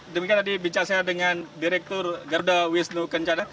demikian tadi bincang saya dengan direktur garuda wisnu kencana